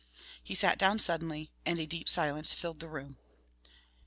He sat down suddenly, and a deep silence filled the room.